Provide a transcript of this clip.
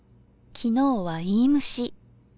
昨日はいいむし。